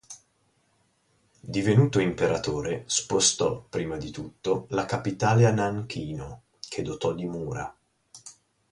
Divenuto imperatore, spostò, prima di tutto, la capitale a Nanchino, che dotò di mura.